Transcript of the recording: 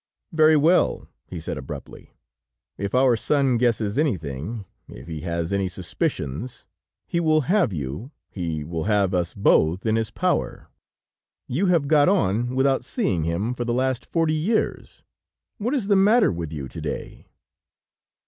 "Very well," he said abruptly, "if our son guesses anything, if he has any suspicions, he will have you, he will have us both in his power. You have got on without seeing him for the last forty years; what is the matter with you to day?"